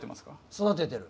育ててる。